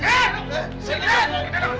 hei jangan keluar